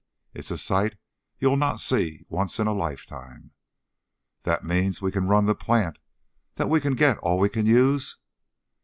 It's a sight you'll not see once in a lifetime." "That means that we can run the plant that we'll get all we can use?"